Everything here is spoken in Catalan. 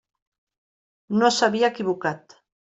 No s'havia equivocat.